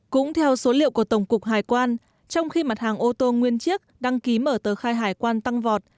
cũng theo số liệu của tổng cục hải quan trong khi mặt hàng ô tô nguyên chiếc đăng ký mở tờ khai hải quan tăng vọt